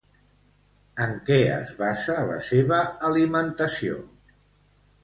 En què es basa la seva alimentació?